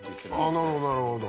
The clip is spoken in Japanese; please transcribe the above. なるほどなるほど。